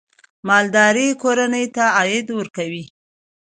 مالداري کورنۍ ته عاید ورکوي.